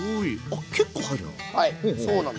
あ結構入るな。